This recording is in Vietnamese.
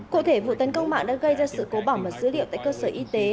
cụ thể vụ tấn công mạng đã gây ra sự cố bỏ mật dữ liệu tại cơ sở y tế